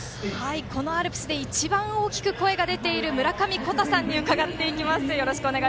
このアルプスで一番大きく声が出ているむらかみこたさんに伺っていきます。